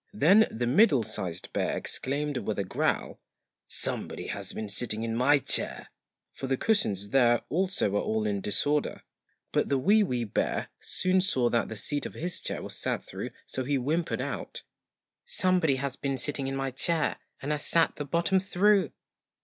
Then the MIDDLE SIZED BEAR exclaimed with a growl 'SOMEBODY HAS BEEN SITTING IN MY CHAIR!' for the cushions there also were all in disorder. 196 But the WEE WEE BEAR soon saw that the seat of THE his chair was sat through, so he whimpered out THREE ' SOMEBODY HAS BEEN SITTING IN MY CHAIR AND HAS SAT THE BOTTOM THROUGH!'